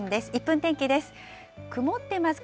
１分天気です。